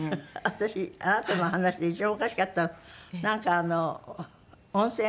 私あなたの話で一番おかしかったのはなんかあの温泉？